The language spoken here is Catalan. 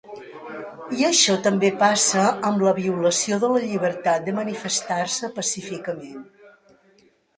I això també passa amb la violació de la llibertat de manifestar-se pacíficament.